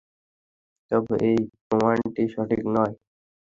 তবে এই প্রমাণটি সঠিক নয়।